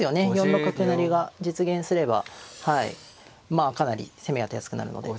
４六角成が実現すればまあかなり攻めが手厚くなるので。